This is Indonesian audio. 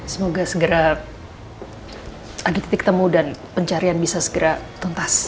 semoga segera ada titik temu dan pencarian bisa segera tuntas